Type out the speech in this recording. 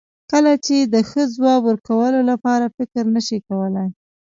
کله چې د ښه ځواب ورکولو لپاره فکر نشې کولای.